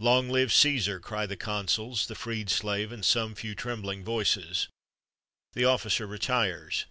"Long live Cæsar!" cry the consuls, the freed slave, and some few trembling voices. The officer retires.